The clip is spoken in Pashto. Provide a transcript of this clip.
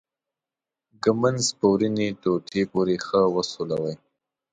ږمنځ په وړینې ټوټې پورې ښه وسولوئ.